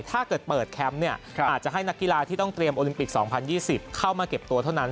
ถ้าเกิดเปิดแคมป์เนี่ยอาจจะให้นักกีฬาที่ต้องเตรียมโอลิมปิก๒๐๒๐เข้ามาเก็บตัวเท่านั้น